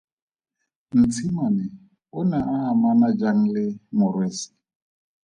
Ntshimane o ne a amana jang le Morwesi?